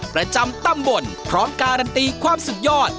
ประจำตำบลพร้อมการันตีความสุดยอด